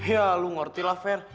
ya lu ngerti lah fair